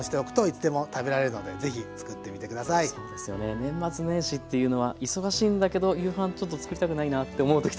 年末年始というのは忙しいんだけど夕飯ちょっとつくりたくないなって思う時とかもあったりして。